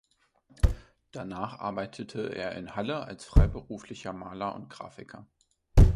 Danach arbeitete er in Halle als freiberuflicher Maler und Grafiker.